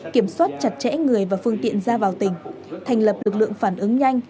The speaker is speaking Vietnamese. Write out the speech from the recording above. kiểm soát chặt chẽ người và phương tiện ra vào tỉnh thành lập lực lượng phản ứng nhanh